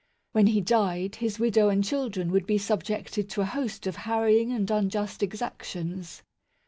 When he died, his widow and children would be subjected to a host of harrying and unjust exactions.